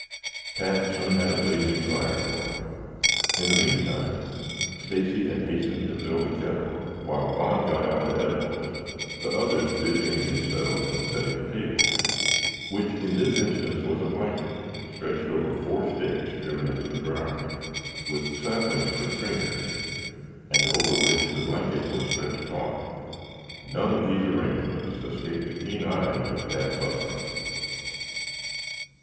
Tad soon had a blazing fire going. In the meantime, Stacy had hastened to fill the kettle, while Vaughn got out the edibles, the others busying themselves in setting the table, which in this instance was a blanket stretched over four stakes driven into the ground, with saplings for stringers, and over which the blanket was stretched taut. None of these arrangements escaped the keen eyes of Tad Butler.